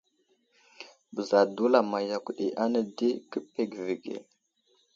Bəza dulama yakw ɗi ane di kə pege avige.